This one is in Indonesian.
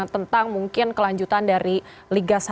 tentang mungkin kelanjutan dari liga satu